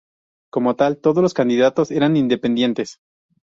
Como tal, todos los candidatos eran independientes.